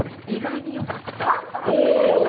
意外に良かった。